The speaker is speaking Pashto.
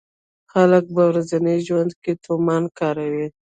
خلک په ورځني ژوند کې تومان کاروي.